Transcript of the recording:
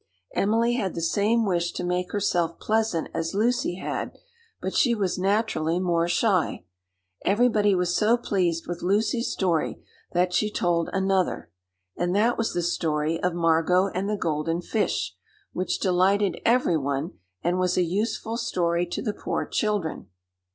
Emily had the same wish to make herself pleasant as Lucy had, but she was naturally more shy. Everybody was so pleased with Lucy's story that she told another, and that was the story of "Margot and the Golden Fish," which delighted everyone, and was a useful story to the poor children.